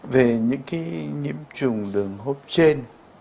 về những nghiêm trùng đường hô hấp trên